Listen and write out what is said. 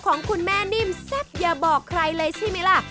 ของคุณแม่นิ่มแซ่บอย่าบอกใครเลยใช่ไหมล่ะ